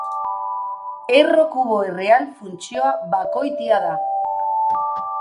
Erro kubo erreal funtzioa bakoitia da.